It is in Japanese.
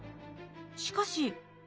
しかし。